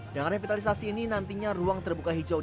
dengan revitalisasi ini nantinya ruang terbuka hijau